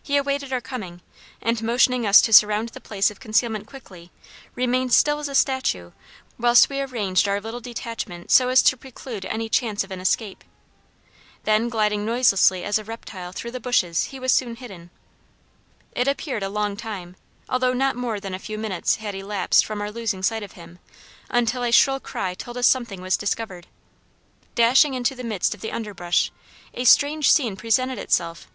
He awaited our coming, and, motioning us to surround the place of concealment quickly, remained still as a statue whilst we arranged our little detachment so as to preclude any chance of an escape. Then gliding noiselessly as a reptile through the bushes, he was soon hidden. It appeared a long time, although not more than a few minutes had elapsed from our losing sight of him, until a shrill cry told us something was discovered. Dashing into the midst of the underbrush, a strange scene presented itself.